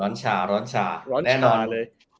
ร้อนชาร้อนชาแน่นอน